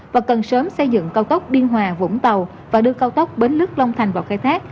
và cần sớm xây dựng cao tốc biên hòa vũng tàu và đưa cao tốc bến lức long thành vào khai thác